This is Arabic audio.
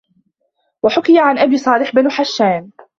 وَحُكِيَ عَنْ أَبِي صَالِحِ بْنِ حَسَّانَ